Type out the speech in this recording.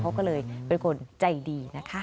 เขาก็เลยเป็นคนใจดีนะคะ